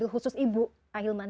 khusus ibu ahilman